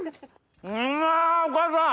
うまっお母さん。